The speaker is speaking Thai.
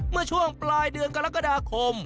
เมื่อช่วงปลายเดือนกรกฎาคม